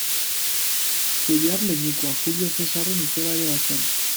Juliar leinukoa, Julio Zesarren izeba ere bazen.